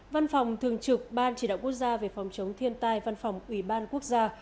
văn phòng thường trực ban chỉ đạo quốc gia về phòng chống thiên tai văn phòng ủy ban quốc gia